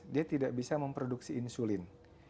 dia tidak bisa memproduksi insulin